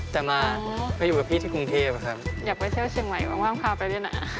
เป็นคนเชียงใหม่ครับ